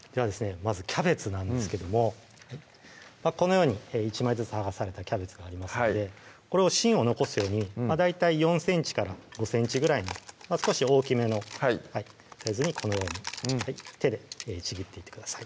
まずキャベツなんですけどもこのように１枚ずつ剥がされたキャベツがありますのでこれを芯を残すように大体４ｃｍ５ｃｍぐらいの少し大きめのサイズにこのように手でちぎっていってください